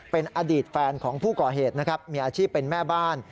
เป็นอดีตแฟนของผู้ก่อเหตุนะครับมีอาชีพเป็นแม่บ้าน